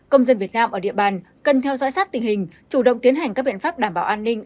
công dân việt nam ở địa bàn cần theo dõi sát tình hình chủ động tiến hành các biện pháp đảm bảo an ninh